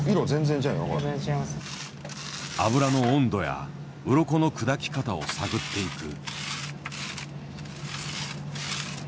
油の温度やうろこの砕き方を探っていく。